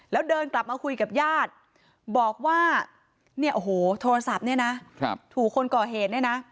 แล้วเดินกลับมาคุยกับญาติบอกว่าเนี่ยโอ้โหโทรศัพท์เนี่ยนะถูกคนก่อเหตุเนี่ยนะ